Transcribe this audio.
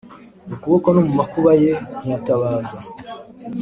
ukuboko No mu makuba ye ntiyatabaza